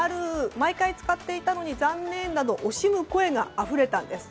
毎回使っていたのに残念など惜しむ声があふれたんです。